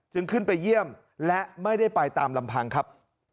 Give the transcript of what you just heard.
ขึ้นไปเยี่ยมและไม่ได้ไปตามลำพังครับ